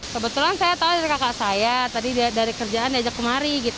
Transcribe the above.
kebetulan saya tahu dari kakak saya tadi dari kerjaan diajak kemari